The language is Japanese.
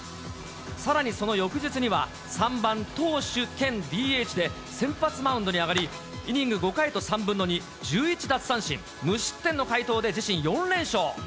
さらにその翌日には、３番投手兼ＤＨで先発マウンドに上がり、イニング５回と３分の２、１１奪三振無失点の快投で、自身４連勝。